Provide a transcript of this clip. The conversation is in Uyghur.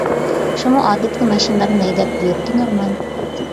شۇمۇ ئادەتتىكى ماشىنىلارنى ھەيدەپ يۈرىدۇ نورمال.